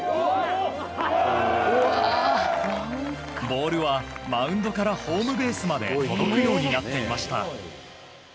ボールはマウンドからホームベースまで届くようになっていました。